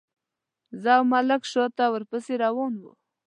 زه او ملنګ شاته ورپسې روان وو.